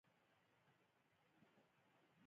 حیوانات ځینې وختونه خپل سر د ساتنې لپاره کاروي.